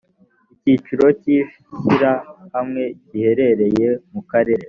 icyicaro cy ishyirahamwe giherereye mu karere